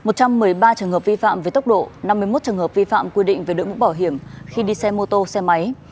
một trăm một mươi ba trường hợp vi phạm về tốc độ năm mươi một trường hợp vi phạm quy định về đội mũ bảo hiểm khi đi xe mô tô xe máy